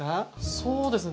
そうですね